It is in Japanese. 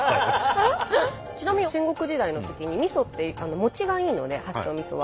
ちなみに戦国時代のときにみそってもちがいいので八丁みそは。